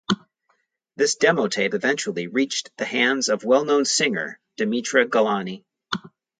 This demo tape eventually reached the hands of a well known singer, Dimitra Galani.